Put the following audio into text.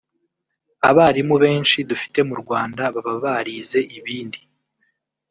Abarimu benshi dufite mu Rwanda baba barize ibindi